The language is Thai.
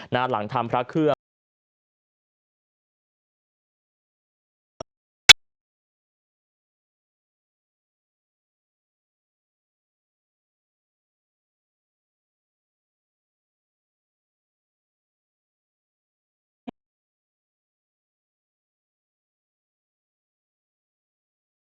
หลังทำพระเครื่อง